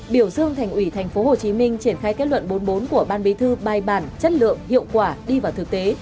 biểu dương thành ủy tp hcm triển khai kết luận bốn mươi bốn của ban bí thư bài bản chất lượng hiệu quả đi vào thực tế